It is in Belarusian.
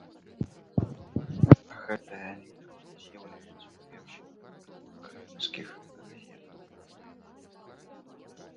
Гэтая літара з'яўляецца ў першых украінскіх газетах.